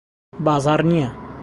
بازاڕ نییە.